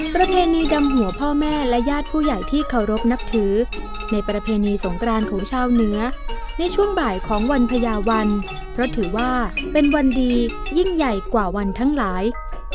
ประเพณีดำหัวพ่อแม่และญาติผู้ใหญ่ที่เคารพนับถือในประเพณีสงกรานของชาวเหนือในช่วงบ่ายของวันพญาวันเพราะถือว่าเป็นวันดียิ่งใหญ่กว่าวันทั้งหลาย